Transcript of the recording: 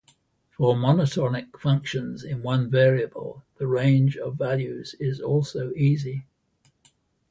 For monotonic functions in one variable, the range of values is also easy.